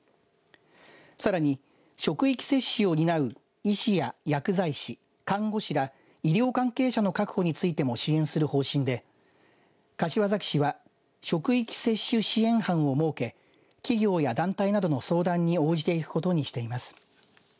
さらに職域接種を担う医師や薬剤師看護師ら、医療関係者の確保についても支援する方針で柏崎市は職域接種支援班を設け企業や団体などの相談に応じていくことにしています。